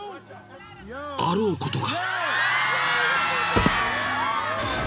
［あろうことか］